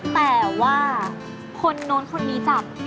แต่ว่าคนโน้นคนนี้จับ